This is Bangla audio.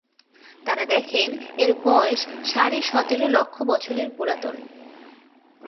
তারা দেখেন, এর বয়স সাড়ে সতের লক্ষ বছরের পুরাতন।